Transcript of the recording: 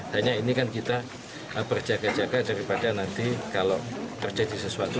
hanya ini kan kita berjaga jaga daripada nanti kalau terjadi sesuatu